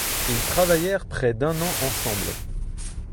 Ils travaillèrent près d'un an ensemble.